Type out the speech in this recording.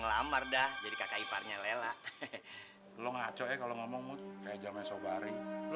ngelamar dah jadi kakak iparnya lelah hehehe lu ngaco ya kalau ngomong kayak jam esok hari lu